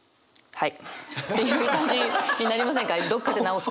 はい。